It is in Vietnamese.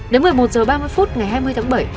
đến một mươi một h ba mươi phút ngày hai mươi tháng bảy